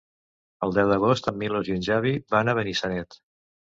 El deu d'agost en Milos i en Xavi van a Benissanet.